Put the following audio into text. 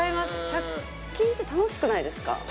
１００均って楽しくないですか？